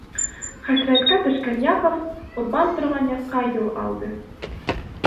Хәсрәткә төшкән Яков Урбан торған яҡҡа юл алды.